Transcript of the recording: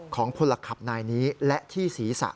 ของพลขับนายนี้และที่ศีรษะ